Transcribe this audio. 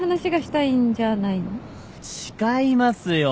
違いますよ。